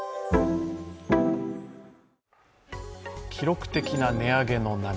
記録的な値上げの波。